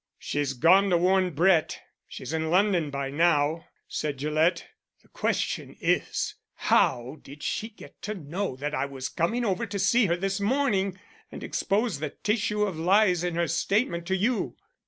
"She's gone to warn Brett she's in London by now," said Gillett. "The question is how did she get to know that I was coming over to see her this morning and expose the tissue of lies in her statement to you.